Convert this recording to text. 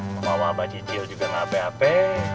mau bawa abah cicil juga nggak apa apa